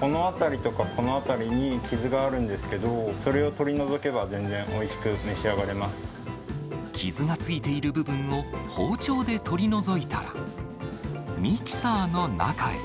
このあたりとか、このあたりに傷があるんですけど、それを取り除けば全然おいしく召し上がれ傷がついている部分を包丁で取り除いたら、ミキサーの中へ。